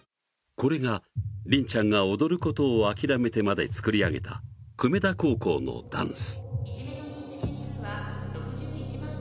これが、りんちゃんが躍ることを諦めてでも作り上げた、久米田高校のダンス。